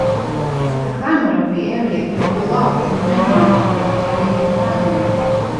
The climate of the area can be locked in a mid-mountain Mediterranean climate.